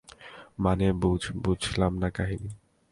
মানে, বুঝ, বুঝলাম না কাহিনি।